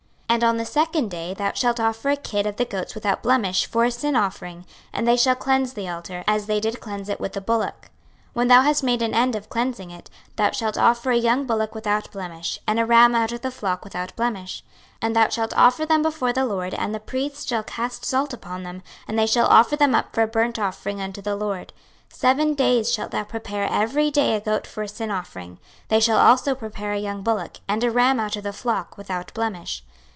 26:043:022 And on the second day thou shalt offer a kid of the goats without blemish for a sin offering; and they shall cleanse the altar, as they did cleanse it with the bullock. 26:043:023 When thou hast made an end of cleansing it, thou shalt offer a young bullock without blemish, and a ram out of the flock without blemish. 26:043:024 And thou shalt offer them before the LORD, and the priests shall cast salt upon them, and they shall offer them up for a burnt offering unto the LORD. 26:043:025 Seven days shalt thou prepare every day a goat for a sin offering: they shall also prepare a young bullock, and a ram out of the flock, without blemish.